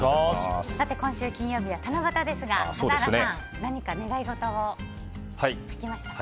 今週金曜日は七夕ですが笠原さん、何か願い事を書きましたか？